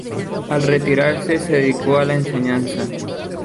Al retirarse se dedicó a la enseñanza.